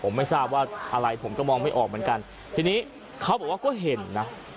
ผมไม่ทราบว่าอะไรผมก็มองไม่ออกเหมือนกันทีนี้เขาบอกว่าก็เห็นนะ